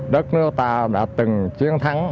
đất nước ta đã từng chiến thắng